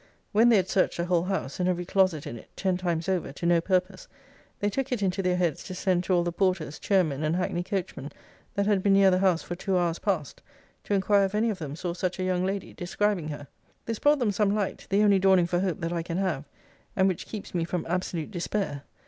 'When they had searched the whole house, and every closet in it, ten times over, to no purpose, they took it into their heads to send to all the porters, chairmen, and hackney coachmen, that had been near the house for two hours past, to inquire if any of them saw such a young lady; describing her. 'This brought them some light: the only dawning for hope, that I can have, and which keeps me from absolute despair.